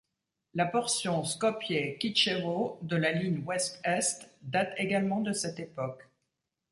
La portion Skopje-Kičevo de la ligne ouest-est date également de cette époque.